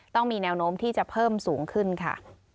ต้องมีแนวโน้มที่จะเพิ่มสูงขึ้นค่ะ